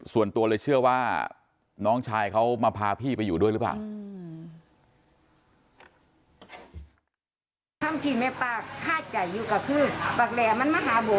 ส่วนตัวเลยเชื่อว่าน้องชายเขามาพาพี่ไปอยู่ด้วยหรือเปล่า